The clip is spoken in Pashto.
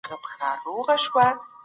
موږ د پخو او شعوري جريانونو غنا غواړو.